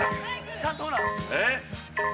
ちゃんと、ほら。